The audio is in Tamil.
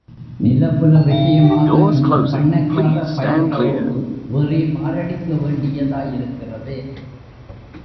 நிலபுல விஷயமாக இந்தப் பண்ணைக்காரப் பயல்களோடு வேறே மாரடிக்க வேண்டியதாயிருக்கிறது.